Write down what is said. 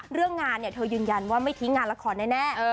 เรื่องงานเธอยืนยันว่าไม่ทิ้งงานละครแน่